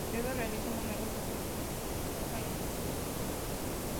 Luego realiza numerosos viajes a París, Roma y Sicilia.